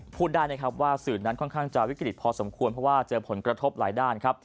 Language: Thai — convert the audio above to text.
พูดได้นะครับว่าสื่อนั้นค่อนข้างจะวิกฤตพอสมควรเพราะว่าเจอผลกระทบหลายด้านครับ